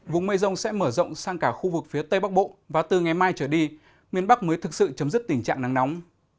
vùng mây rông sẽ mở rộng sang cả khu vực phía tây bắc bộ và từ ngày mai trở đi miền bắc mới thực sự chấm dứt tình trạng nắng nóng